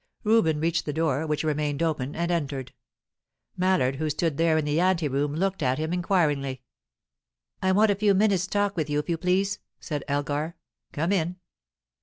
Reuben reached the door, which remained open, and entered. Mallard, who stood there in the ante room, looked at him inquiringly. "I want a few minutes' talk with you, if you please," said Elgar. "Come in."